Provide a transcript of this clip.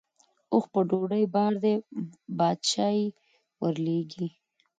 اوښ په ډوډۍ بار دی باچا یې ورلېږي.